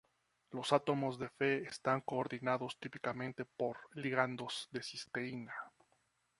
Los átomos de Fe están coordinados típicamente por ligandos de cisteína.